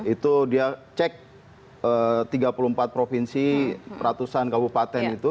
itu dia cek tiga puluh empat provinsi ratusan kabupaten itu